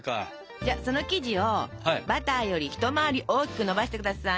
じゃその生地をバターよりひと回り大きくのばしてください。